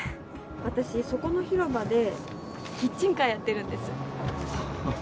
私そこの広場でキッチンカーやってるははっ。